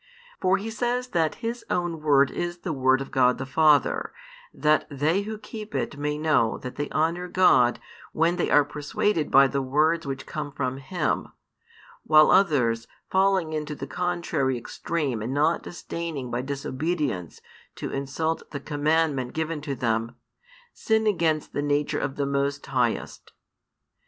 For He says that His own word is the word of God the Father, that they who keep it may know that they honour God when they are persuaded by the words which come from Him: while others, falling into the contrary extreme and not |337 disdaining by disobedience to insult the commandment given to them, sin against the nature of the Most Highest.